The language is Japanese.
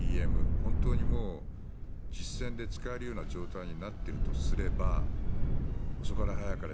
本当に実戦で使えるような状態になっているとすれば遅かれ早かれ